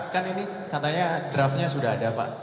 kan ini katanya draftnya sudah ada pak